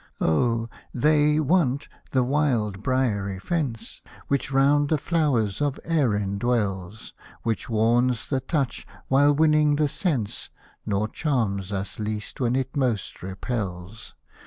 Oh ! they want the wild sweet briery fence, Which round the flowers of Erin dwells ; Which warns the touch, while winning the sense. Nor charms us least when it most repels.